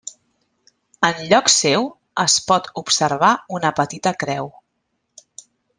Enlloc seu es pot observar una petita creu.